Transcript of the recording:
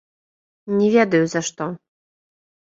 Не ведаю, за што.